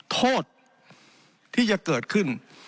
โทษที่จะเกิดขึ้น